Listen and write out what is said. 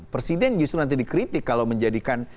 presiden justru nanti dikritik kalau menjadikan